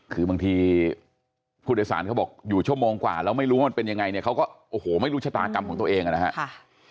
คือบางทีผู้โดยสารเขาบอกอยู่ชั่วโมงกว่าแล้วไม่รู้ว่ามันเป็นยังไงเนี่ยเขาก็โอ้โหไม่รู้ชะตากรรมของตัวเองนะครับ